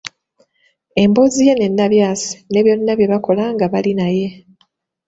emboozi ye ne Nnabyasi ne byonna bye bakola nga bali naye